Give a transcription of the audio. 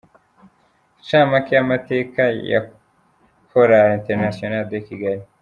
Incamake y’amateka ya Choeur International de Kigali.